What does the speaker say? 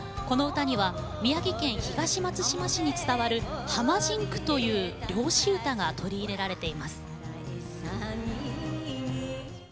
この歌には宮城県東松島市に伝わる浜甚句という漁師唄が取り入れられています。